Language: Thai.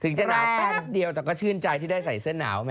จะหนาวแป๊บเดียวแต่ก็ชื่นใจที่ได้ใส่เสื้อหนาวมา